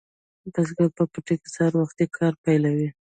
بزګر په پټي کې سهار وختي کار پیلوي.